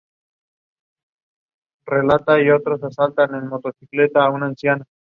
Pero ambos eran hijos con concubinas.